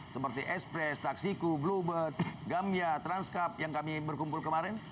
seperti express taxiku bluebird gamya transcap yang kami berkumpul kemarin